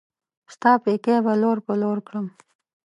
ستا پيکی به لور پر لور کړم